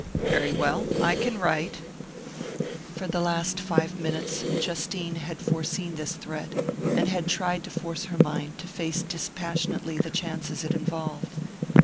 "Very well I can write." For the last five minutes Justine had foreseen this threat, and had tried to force her mind to face dispassionately the chances it involved.